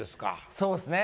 そうですね。